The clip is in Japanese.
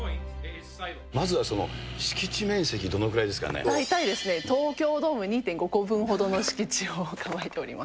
まずは敷地面積、どのぐらい大体、東京ドーム２．５個分ほどの敷地を構えております。